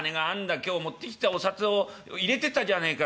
今日持ってきたお札を入れてたじゃねえかよ